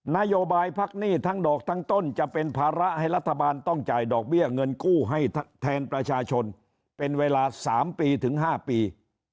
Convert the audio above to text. นโยบายพักหนี้ทั้งดอกทั้งต้นจะเป็นภาระให้รัฐบาลต้องจ่ายดอกเบี้ยเงินกู้ให้แทนประชาชนเป็นเวลา๓ปีถึง๕ปี